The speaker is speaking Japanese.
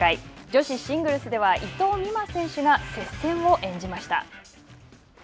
女子シングルスでは伊藤美誠選手が接戦を演じました。